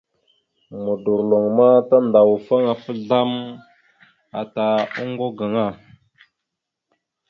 Modorloŋ ma tandawafaŋ afa azlam atal ata oŋgo gaŋa.